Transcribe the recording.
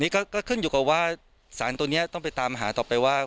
นี่ก็ขึ้นอยู่กับว่าสารตัวนี้ต้องไปตามหาต่อไปว่า